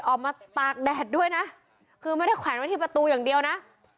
ออกมาตากแดดด้วยนะคือไม่ได้แขวนไว้ที่ประตูอย่างเดียวนะ